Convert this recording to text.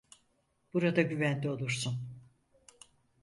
Burada güvende olursun.